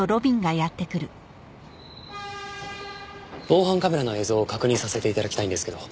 防犯カメラの映像を確認させて頂きたいんですけど。